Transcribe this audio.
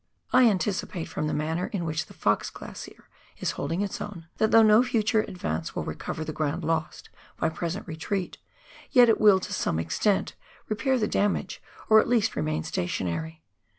I anticipate — from the manner in which the Fox Glacier is holding its own — that though no future advance will recover the ground lost by present retreat, yet it will, to some extent, repair the damage, or at least remain stationary.